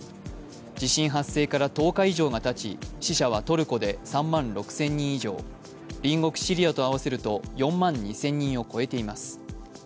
地震発生から１０日以上がたち死者はトルコで３万６０００人以上、隣国シリアと合わせると４万２０００人を超えています。